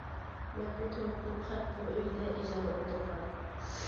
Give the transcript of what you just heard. مەنمۇ توي قىلىپ خەقنىڭ ئۆيىدە ئىجارە ئولتۇرغان.